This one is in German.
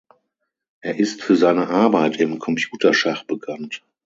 Er ist für seine Arbeit im Computerschach bekannt.